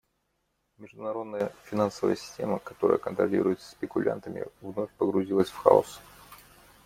Международная финансовая система, которая контролируется спекулянтами, вновь погрузилась в хаос.